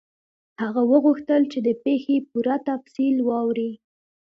هغه وغوښتل چې د پیښې پوره تفصیل واوري.